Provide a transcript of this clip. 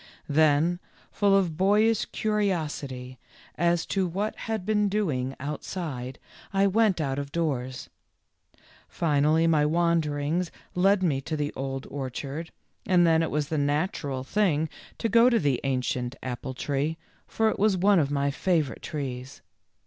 Then, full of boyish curiosity as to what had been doing outside, I went out of doors. Fi nally my wanderings led me to the old orchard, and then it was a natural thing to go to the THE GALLOPING HESSIAN. 31 ancient apple tree, for it was one of my favor ite trees.